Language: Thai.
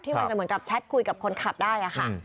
มันจะเหมือนกับแชทคุยกับคนขับได้ค่ะ